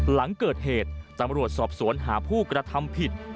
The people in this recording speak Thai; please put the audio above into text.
หลังเกิดเหตุตำรวจสอบสวนหาผู้กระทำผิด